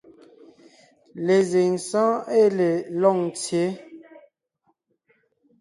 Lezíŋ sɔ́ɔn ée le Lôŋtsyě,